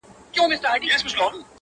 چي په ګور کي به یې مړې خندوله.!